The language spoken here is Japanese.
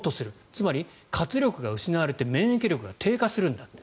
つまり、活力が失われて免疫力が低下するんだと。